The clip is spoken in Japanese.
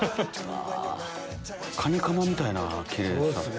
カニカマみたいな切れやすさ。